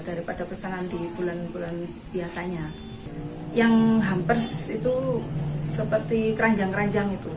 daripada pesanan di bulan bulan biasanya yang hampir itu seperti keranjang keranjang itu